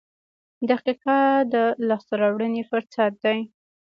• دقیقه د لاسته راوړنې فرصت دی.